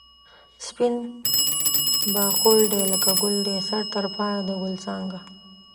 سپین باړخو دی لکه گل دی سر تر پایه د گل څانگه